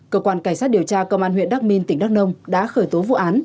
cơ quan cảnh sát điều tra công an huyện đắc minh tỉnh đắc nông đã khởi tố vụ án